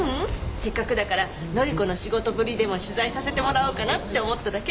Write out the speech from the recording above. せっかくだから乃里子の仕事ぶりでも取材させてもらおうかなって思っただけ。